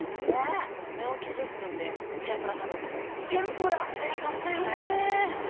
寝起き１０分で天ぷらを食べに行こうって。